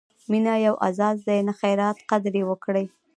مینه یو اعزاز دی، نه خیرات؛ قدر یې وکړئ!